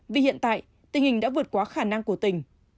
vì hiện tại tình hình đã vượt qua khả năng của tỉnh